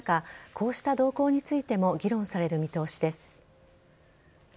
こうした動向についても議論される見通しです。